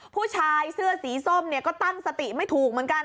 ผู้ชายเสื้อสีส้มเนี่ยก็ตั้งสติไม่ถูกเหมือนกัน